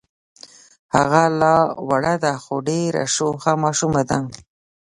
هغه لا وړه ده خو ډېره شوخه ماشومه ده.